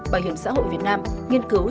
bảo hiểm xã hội việt nam nghiên cứu